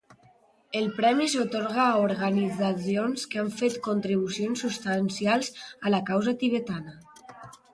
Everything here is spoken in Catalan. El premi s'atorga a organitzacions que han fet contribucions substancials a la causa tibetana.